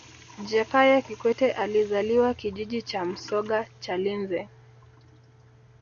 jakaya kikwete alizaliwa kijiji cha msoga chalinze